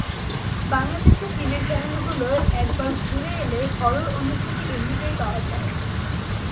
বাংলাদেশের টিভি চ্যানেলগুলোয় একবার ঘুরে এলে হরর অনুভূতি এমনিতেই পাওয়া যায়।